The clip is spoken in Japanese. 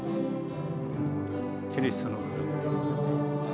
キリストの体。